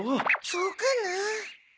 そうかなあ。